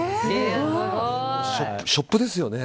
ショップですよね。